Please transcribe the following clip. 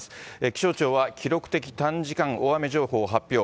気象庁は、記録的短時間大雨情報を発表。